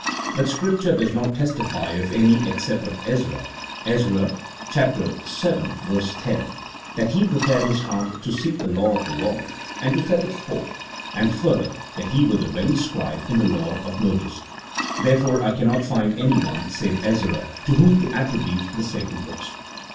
But Scripture does not testify of any except of Ezra (Ezra vii. 10), that he " prepared his heart to seek the law of the Lord, and to set it forth, and further that he was a ready scribe in the law of Moses." Therefore, I cannot find anyone, save Ezra, to whom to attribute the sacred books.